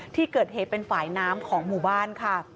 ที่เกิดเหตุเป็นฝ่ายน้ำของหมู่บ้านค่ะ